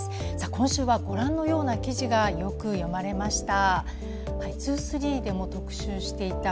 今週はご覧のような記事がよく読まれました。